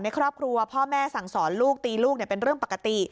ในครอบครัวพ่อแม่สั่งสอนลูกตีลูกเป็นเรื่องปกติ